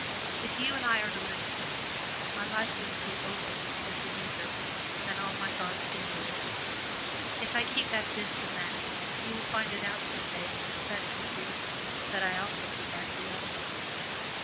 If you and I are to live together, my life must be open as the ether and all my thoughts be yours. If I keep back this and that, you will find it out some day and suspect, with reason, that I also keep back the other.